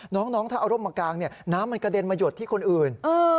น้องถ้าเอาร่มมากางน้ำมันกระเด็นมาหยดที่คนอื่น